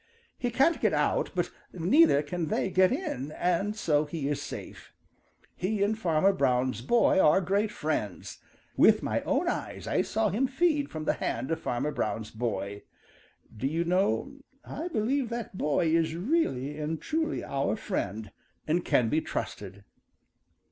He can't get out, but neither can they get in, and so he is safe. He and Farmer Brown's boy are great friends. With my own eyes I saw him feed from the hand of Farmer Brown's boy. Do you know, I believe that boy is really and truly our friend and can be trusted."